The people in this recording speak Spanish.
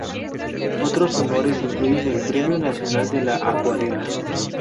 Otros honores incluyen el Premio Nacional de la Acuarela.